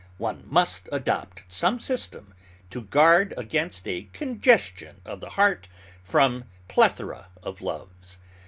One must adopt some system to guard against a congestion of the heart from plethora of loves.